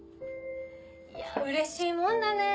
いやうれしいもんだね！